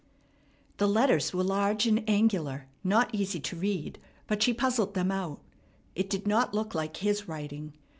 The letters were large and angular, not easy to read; but she puzzled them out. It did not look like his writing.